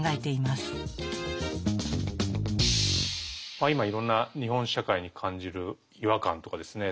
まあ今いろんな日本社会に感じる違和感とかですね